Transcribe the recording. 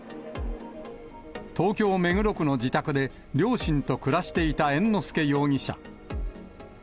東京・目黒区の自宅で、両親と暮らしていた猿之助容疑者。